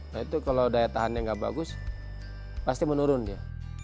nah itu kalau daya tahannya nggak bagus pasti menurun dia